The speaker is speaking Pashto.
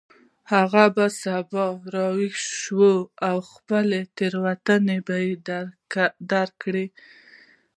هغه به سبا راویښ شي او خپله تیروتنه به درک کړي